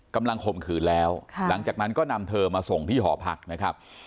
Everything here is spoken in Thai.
ข่มขืนแล้วหลังจากนั้นก็นำเธอมาส่งที่หอพักนะครับ